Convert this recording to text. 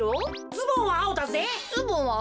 ズボンはあおだぜ。